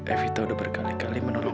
evita sudah berkali kali menolong